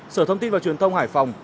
sở thông tin và truyền thông hải phòng